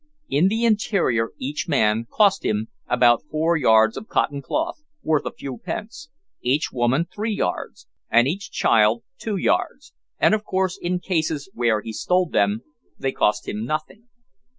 In the interior each man cost him about four yards of cotton cloth, worth a few pence; each woman three yards, and each child two yards, and of course in cases where he stole them, they cost him nothing.